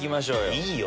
いいよ